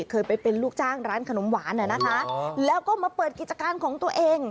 เคยไปเป็นลูกจ้างร้านขนมหวานนะคะแล้วก็มาเปิดกิจการของตัวเอง